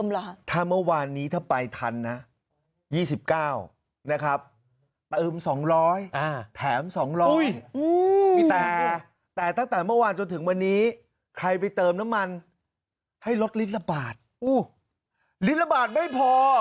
ลิตรละบาทอู้ลิตรละบาทไม่พอ